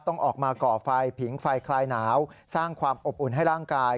ต้องออกมาก่อไฟผิงไฟคลายหนาวสร้างความอบอุ่นให้ร่างกาย